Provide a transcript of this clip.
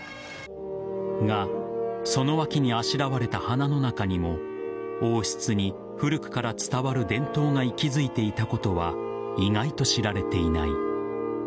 が、その脇にあしらわれた花の中にも王室に古くから伝わる伝統が息づいていたことは意外と知られていない。